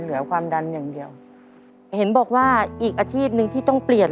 เหลือความดันอย่างเดียวเห็นบอกว่าอีกอาชีพหนึ่งที่ต้องเปลี่ยน